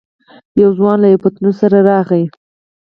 يو ځوان له يوه پتنوس سره راغی.